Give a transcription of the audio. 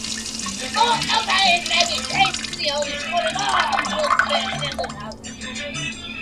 Moreover, it may be traced to the oldest coat of arms of Oldenburg-Wildeshausen.